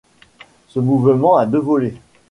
Ce mouvement à deux volets.